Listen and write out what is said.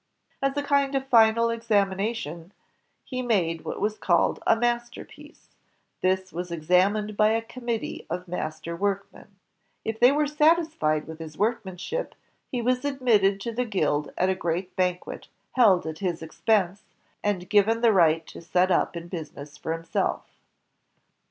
As a kind of final examination he made what was called a masterpiece. This was examined by a committee of master workmen. If they were satisfied, with his workmanship, he was admitted to the guild at a great banquet held at his expense, and given the right to set up in business for himself.